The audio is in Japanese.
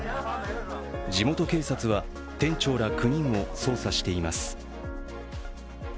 地元警察は、店長ら９人を捜査しています。